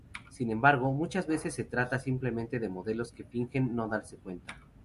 Sin embargo, muchas veces se trata simplemente de modelos que fingen no darse cuenta.